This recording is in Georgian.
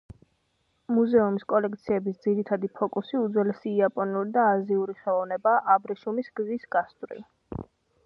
მუზეუმის კოლექციების ძირითადი ფოკუსი უძველესი იაპონური და აზიური ხელოვნებაა აბრეშუმის გზის გასწვრივ.